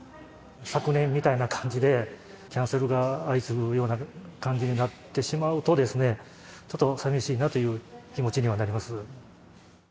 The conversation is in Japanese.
昨年みたいな感じでキャンセルが相次ぐような感じになってしまうと、ちょっと寂しいなという気持ちにはなります。